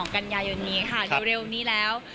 กันยายนนี้ค่ะเร็วนี้แล้ว